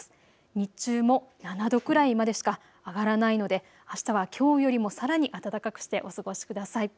日中も７度くらいまでしか上がらないので、あしたはきょうよりもさらに暖かくしてお過ごしください。